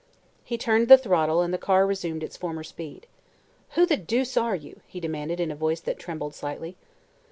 He turned the throttle and the car resumed its former speed. "Who the deuce are you?" he demanded, in a voice that trembled slightly.